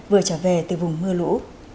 vừa trở về từ vùng mưa lũ